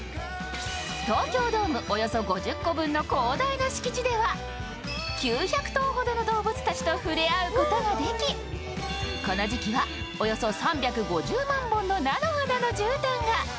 東京ドームおよそ５０個分の広大な敷地では９００頭ほどの動物たちと触れ合うことができこの時期は、およそ３５０万本の菜の花のじゅうたんが。